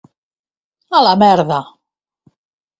A la merda!